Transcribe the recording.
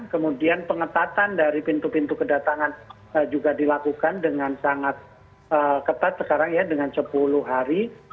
kemudian pengetatan dari pintu pintu kedatangan juga dilakukan dengan sangat ketat sekarang ya dengan sepuluh hari